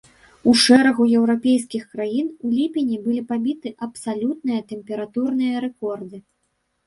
У шэрагу еўрапейскіх краін у ліпені былі пабіты абсалютныя тэмпературныя рэкорды.